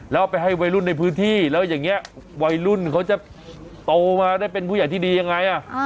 แล้วไปให้วัยรุ่นในพื้นที่แล้วอย่างนี้วัยรุ่นเขาจะโตมาได้เป็นผู้ใหญ่ที่ดียังไง